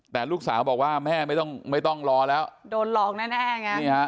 แต่ลูกสาวบอกว่าแม่ไม่ต้องไม่ต้องรอแล้วโดนหลอกแน่ไง